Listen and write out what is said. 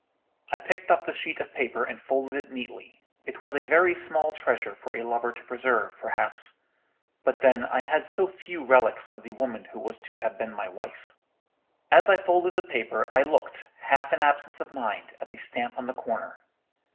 I picked up the sheet of paper and folded it neatly; it was a very small treasure for a lover to preserve, perhaps: but then I had so few relics of the woman who was to have been my wife. "As I folded the paper, I looked, half in absence of mind, at the stamp in the corner.